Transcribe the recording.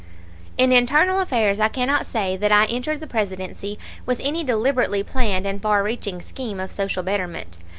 In internal affairs I cannot say that I entered the Presidency with any deliberately planned and far reaching scheme of social betterment.